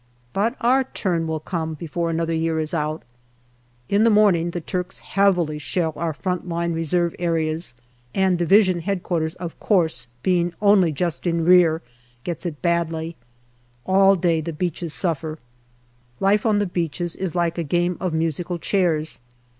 But our turn will come before another year is out. In the morning the Turks heavily shell our front line reserve areas ; and D.H.Q., of course, being only just in rear, get it badly. All day the beaches suffer. Life on the beaches is like a game of musical chairs.